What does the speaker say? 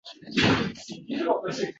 Ammo ko’pchiligi tabiiylikdan yiroq.